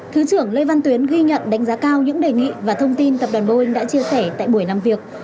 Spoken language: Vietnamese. thứ trưởng lê văn tuyến ghi nhận đánh giá cao những đề nghị và thông tin tập đoàn boeing đã chia sẻ tại buổi làm việc